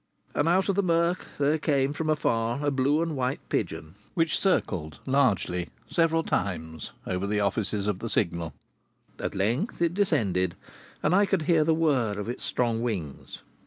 And out of the murk there came from afar a blue and white pigeon which circled largely several times over the offices of the Signal. At length it descended, and I could hear the whirr of its strong wings.